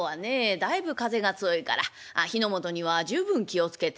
だいぶ風が強いから火の元には十分気を付けて」。